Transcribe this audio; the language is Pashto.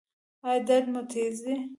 ایا درد مو تېز دی؟